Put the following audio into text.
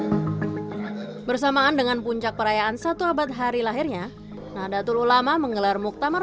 hai bersamaan dengan puncak perayaan satu abad hari lahirnya nahdlatul ulama menggelar muktamar